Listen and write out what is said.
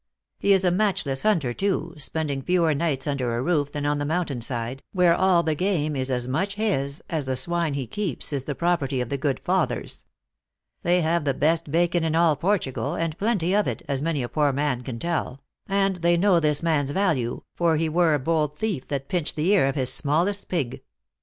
He is a matchless hunter too, spending fewer nights under a roof than on the moun tain side, where all the game is as much his, as the swine he keeps is the property of the good fathers. They have the best bacon in all Portugal, and plenty of it, as many a poor man can tell ; and they know this man s value, for he were a bold thief that pinched the ear of his smallest pig."